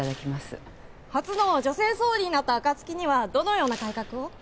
初の女性総理になった暁にはどのような改革を？